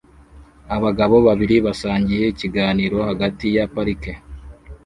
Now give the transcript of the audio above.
Abagabo babiri basangiye ikiganiro hagati ya parike